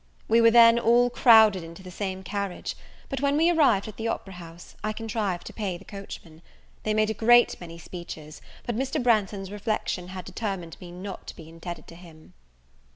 We were then all crowded into the same carriage; but when we arrived at the opera house, I contrived to pay the coachman. They made a great many speeches; but Mr. Branghton's reflection had determined me not to be indebted to him.